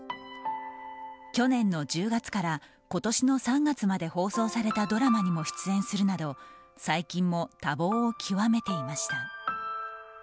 去年の１０月から今年の３月まで放送されたドラマにも出演するなど最近も多忙を極めていました。